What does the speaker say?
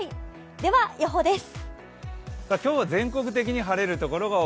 では、予報です。